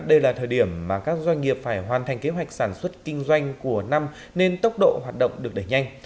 đây là thời điểm mà các doanh nghiệp phải hoàn thành kế hoạch sản xuất kinh doanh của năm nên tốc độ hoạt động được đẩy nhanh